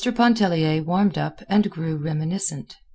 Pontellier warmed up and grew reminiscent.